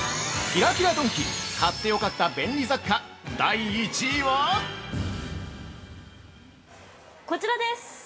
◆キラキラドンキ買ってよかった便利雑貨第１位は◆こちらです。